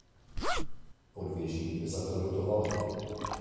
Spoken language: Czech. Podvěží je zaklenuto valeně.